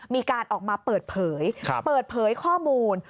มีการออกมาเปิดเผยเปิดเผยข้อมูล